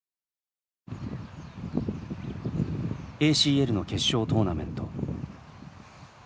ＡＣＬの決勝トーナメント。